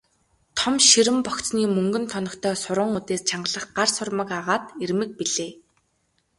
Том ширэн богцны мөнгөн тоногтой суран үдээс чангалах гар сурмаг агаад эрмэг билээ.